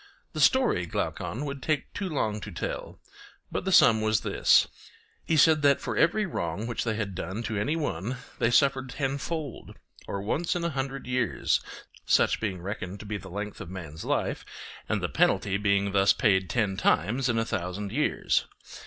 The story, Glaucon, would take too long to tell; but the sum was this:—He said that for every wrong which they had done to any one they suffered tenfold; or once in a hundred years—such being reckoned to be the length of man's life, and the penalty being thus paid ten times in a thousand years.